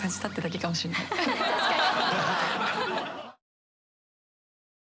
確かに！